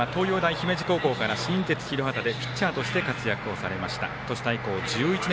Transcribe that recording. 足達さんは、東洋大姫路高校から新日鉄広畑でピッチャーとして活躍されました。